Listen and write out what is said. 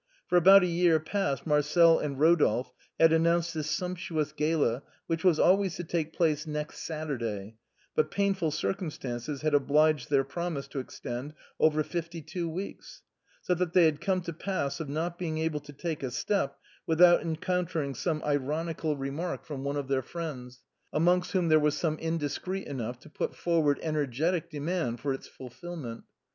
For about a year past Marcel and Kodolphe had announced this 66 THE BOHEMIANS OF THE LATIN QUARTER. sumptuous gala which was always to take place " next Saturday," but painful circumstances had obliged their promise to extend over fifty two weeks, so that they had come to the pass of not being able to take a step without encountering some ironical remark from one of their friends, amongst whom there were some indiscreet enough to put forward energetic demands for its fulfilment.